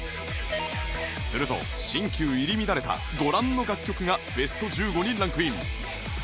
すると新旧入り乱れたご覧の楽曲がベスト１５にランクイン